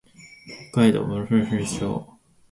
北海道洞爺湖町